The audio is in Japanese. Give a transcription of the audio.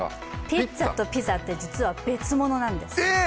ピッツァとピザって実は別ものなんです。